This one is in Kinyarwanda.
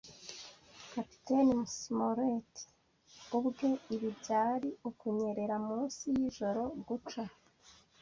Kapiteni Smollett ubwe. Ibi byari ukunyerera munsi yijoro, guca